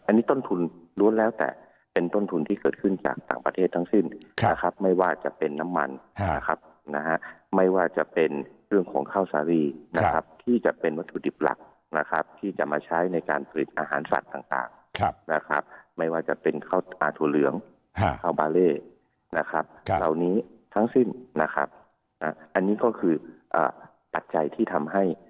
อันนี้ต้นทุนล้วนแล้วแต่เป็นต้นทุนที่เกิดขึ้นจากต่างประเทศทั้งสิ้นนะครับไม่ว่าจะเป็นน้ำมันนะครับนะฮะไม่ว่าจะเป็นเรื่องของข้าวสารีนะครับที่จะเป็นวัตถุดิบหลักนะครับที่จะมาใช้ในการผลิตอาหารสัตว์ต่างนะครับไม่ว่าจะเป็นถั่วเหลืองคาวบาเล่นะครับเหล่านี้ทั้งสิ้นนะครับอันนี้ก็คือปัจจัยที่ทำให้